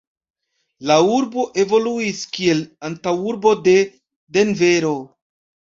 La urbo evoluis kiel antaŭurbo de Denvero.